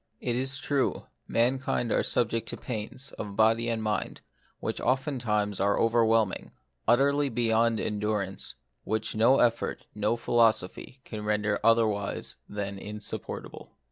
It is true, mankind are subject to pains, of body and of mind, which oftentimes are over whelming, utterly beyond endurance, which 52 The Mystery of Pain. no effort, no philosophy, can render otherwise than insupportable.